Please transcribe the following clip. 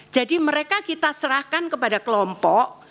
jadi mereka kita serahkan kepada kelompok